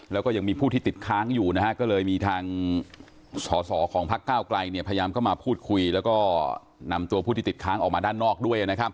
แล้วก็ยังมีผู้ที่ติดค้างอยู่นะฮะก็เลยมีทางสอสอของพักเก้าไกลพยายามเข้ามาพูดคุยแล้วก็นำตัวผู้ที่ติดค้างออกมาด้านนอกด้วยนะครับ